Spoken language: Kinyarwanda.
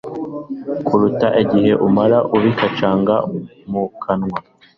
kuruta igihe umara ubikacanga mu kanwa